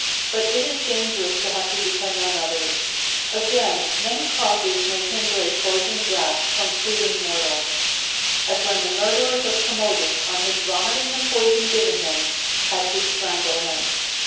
But it is dangerous to have to depend on others. Again, many causes may hinder a poisoned draught from proving mortal; as when the murderers of Commodus, on his vomiting the poison given him, had to strangle him.